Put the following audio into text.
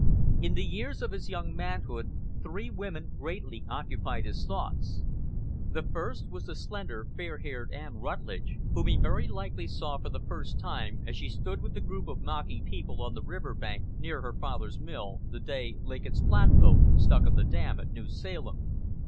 In the years of his young manhood three women greatly occupied his thoughts. The first was the slender, fair haired Ann Rutledge, whom he very likely saw for the first time as she stood with the group of mocking people on the river bank, near her father's mill, the day Lincoln's flatboat stuck on the dam at New Salem.